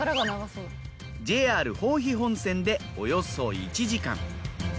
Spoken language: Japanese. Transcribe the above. ＪＲ豊肥本線でおよそ１時間。